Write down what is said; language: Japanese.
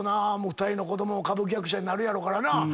２人の子供も歌舞伎役者になるやろうからな。